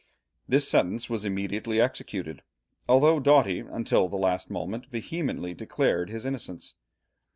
This sentence was immediately executed, although Doughty until the last moment vehemently declared his innocence.